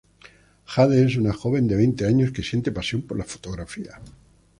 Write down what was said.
Jade es una joven de veinte años que siente pasión por la fotografía.